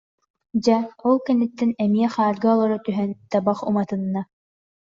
Дьэ, ол кэнниттэн эмиэ хаарга олоро түһэн, табах уматынна